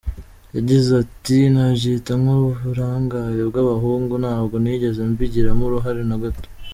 Yagize ati “Nabyita nk’uburangare bw’abahungu, ntabwo nigeze mbigiramo uruhare na gato.